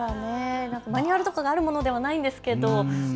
マニュアルとかはあるものではないんですけど。